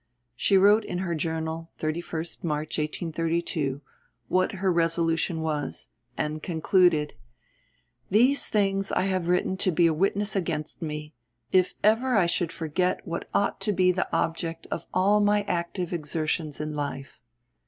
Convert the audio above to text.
She wrote in her journal 31st March 1832, what her resolution was, and concluded: "These things I have written to be a witness against me, if ever I should forget what ought to be the object of all my active exertions in life."